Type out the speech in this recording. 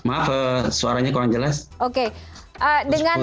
apakah ini juga mengganggu